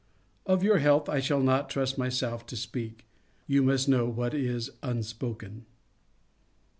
Of your health I shall not trust myself to speak ; you must know what is unspoken."